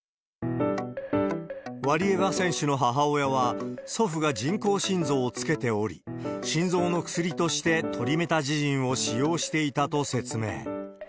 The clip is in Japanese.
ワリエワ選手の母親は、祖父が人工心臓をつけており、心臓の薬としてトリメタジジンを使用していたと説明。